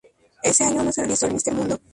Ese año no se realizó el Míster Mundo.